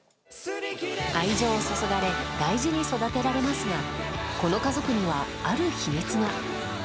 愛情を注がれ大事に育てられますがこの家族には、ある秘密が。